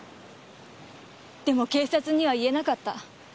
でも警察には言えなかった。